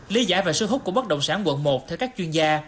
lý giải và sưu hút của bất đồng sản quận một theo các chuyên gia